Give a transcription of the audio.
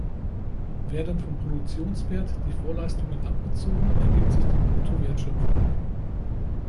Werden vom Produktionswert die Vorleistungen abgezogen, ergibt sich die Bruttowertschöpfung.